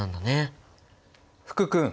福君！